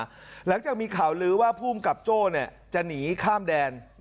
หลังจากมีข่าวลื้อว่าภูมิกับโจ้จะหนีข้ามแดน